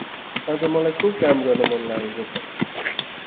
अाज मलाई खुब काम गर्न मन लागेको छ ।